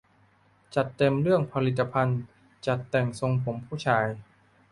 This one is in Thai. จัดเต็มเรื่องผลิตภัณฑ์จัดแต่งทรงผมผู้ชาย